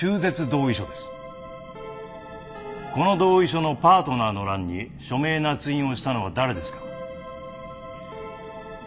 この同意書のパートナーの欄に署名捺印をしたのは誰ですか？